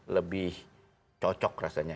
lebih cocok rasanya